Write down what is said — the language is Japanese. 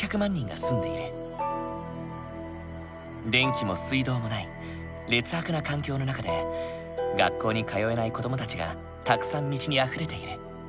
電気も水道もない劣悪な環境の中で学校に通えない子どもたちがたくさん道にあふれている。